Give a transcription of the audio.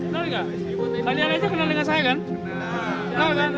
nah ini sama pendidik aja